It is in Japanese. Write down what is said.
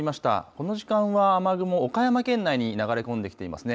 この時間は雨雲、岡山県内に流れ込んできていますね。